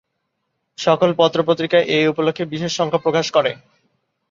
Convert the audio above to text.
সকল পত্র-পত্রিকা এ উপলক্ষে বিশেষ সংখ্যা প্রকাশ করে।